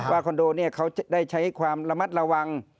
คอนโดเนี่ยเขาได้ใช้ความระมัดระวัง